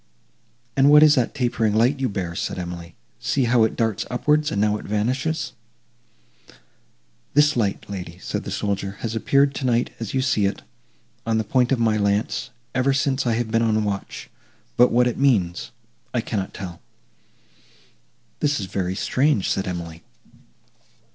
"And what is that tapering light you bear?" said Emily, "see how it darts upwards,—and now it vanishes!" "This light, lady," said the soldier, "has appeared tonight as you see it, on the point of my lance, ever since I have been on watch; but what it means I cannot tell." "This is very strange!" said Emily.